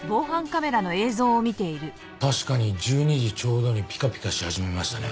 確かに１２時ちょうどにピカピカし始めましたね。